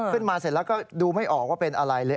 เสร็จแล้วก็ดูไม่ออกว่าเป็นอะไรเลย